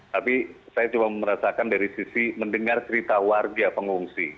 tapi saya cuma merasakan dari sisi mendengar cerita warga pengungsi